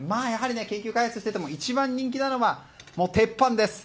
研究・開発をしていても一番人気なのは鉄板です。